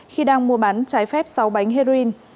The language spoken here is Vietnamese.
khi đang mua bán trái phép sáu bánh heroin